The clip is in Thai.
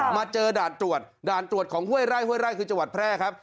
มาเจอด่านตรวจด่านตรวจของห้วยไร่ห้วยไร่คือจังหวัดแพร่ครับ